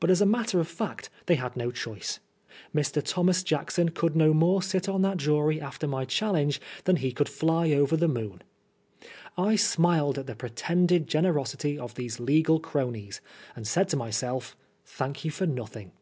But as a matter of fact they had no choice. Mr. Thomas Jackson could no more sit on that jury after my challenge than he could fly over the moon. I smiled at the pretended generosity of these legal cronies, and said to myself, *' Thank you for nothing."